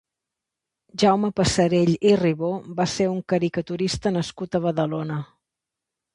Jaume Passarell i Ribó va ser un caricaturista nascut a Badalona.